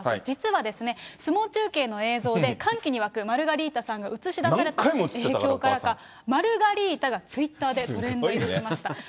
実は相撲中継の映像で、歓喜に沸くマルガリータさんが映し出されていて、その影響からか、マルガリータがツイッターでトレンド入りしました。